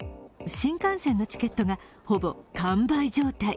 新幹線のチケットがほぼ完売状態。